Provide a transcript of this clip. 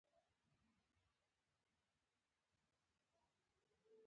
که پی ایل له ایل ایل سره مساوي شي پی ای صفر کیږي